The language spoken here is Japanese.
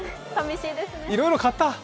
いろいろ買った！